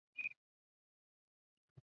现任主任牧师为陈淳佳牧师。